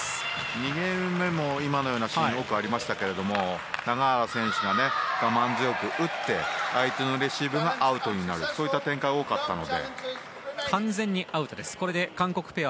２ゲーム目の今のようなシーン多くありましたが永原選手が我慢強く打って相手のレシーブがアウトになるという展開が多かったので。